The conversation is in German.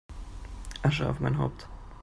Asche auf mein Haupt!